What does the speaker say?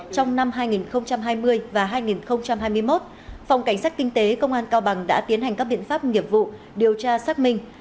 trong năm hai nghìn hai mươi và hai nghìn hai mươi một phòng cảnh sát kinh tế công an cao bằng đã tiến hành các biện pháp nghiệp vụ điều tra xác minh